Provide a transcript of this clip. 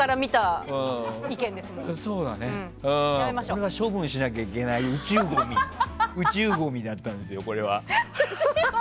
これは処分しなければいけない宇宙ごみだったんですよ、これは。